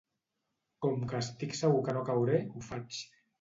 Com que estic segur que no cauré, ho faig.